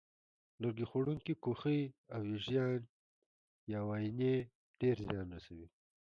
لرګي خوړونکي کوخۍ او وېږیان یا واینې ډېر زیان رسوي.